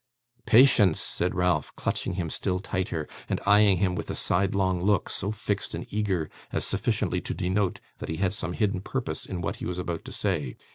'Patience!' said Ralph, clutching him still tighter and eyeing him with a sidelong look, so fixed and eager as sufficiently to denote that he had some hidden purpose in what he was about to say.